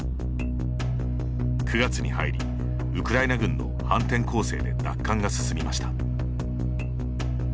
９月に入りウクライナ軍の反転攻勢で奪還が進みました。